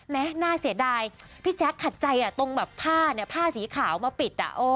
แม้หน้าเสียดายพี่แจ๊คขัดใจตรงผ้าสีขาวมาปิด